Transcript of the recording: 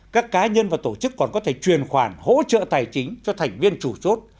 các cá nhân và tổ chức còn có thể truyền khoản hỗ trợ tài chính cho thành viên chủ chốt